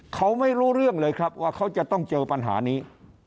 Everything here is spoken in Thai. เขาไม่รู้เรื่องเลยครับว่าเขาจะต้องเจอปัญหานี้